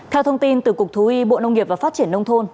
theo thông tin từ cục thú y bộ nông nghiệp và phát triển nông thôn